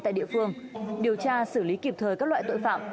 tại địa phương điều tra xử lý kịp thời các loại tội phạm